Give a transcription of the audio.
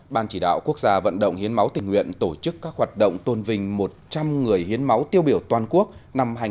ban chỉ đạo quốc gia vận động hiến máu tình nguyện tổ chức các hoạt động tôn vinh một trăm linh người hiến máu tiêu biểu toàn quốc năm hai nghìn một mươi chín